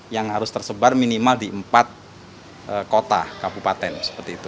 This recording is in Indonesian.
yang harus tersebar minimal di empat kota kabupaten seperti itu